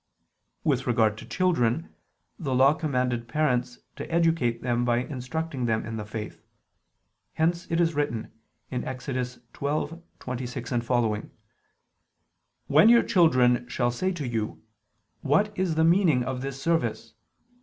With regard to children, the Law commanded parents to educate them by instructing them in the faith: hence it is written (Ex. 12:26, seqq.): "When your children shall say to you: What is the meaning of this service?